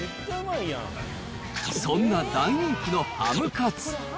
そんな大人気のハムカツ。